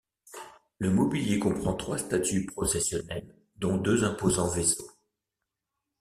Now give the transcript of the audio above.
Le mobilier comprend trois statues processionnelles dont deux imposants vaisseaux.